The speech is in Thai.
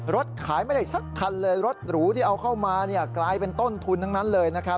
รถขายไม่ได้สักคันเลยรถหรูที่เอาเข้ามากลายเป็นต้นทุนทั้งนั้นเลยนะครับ